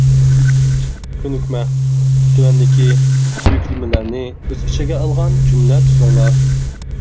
كۆنۈكمە: تۆۋەندىكى يۈكلىمىلەرنى ئۆز ئىچىگە ئالغان جۈملە تۈزۈڭلار.